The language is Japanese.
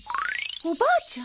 おばあちゃん？